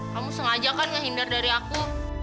kamu sengaja kan ngehindar dari aku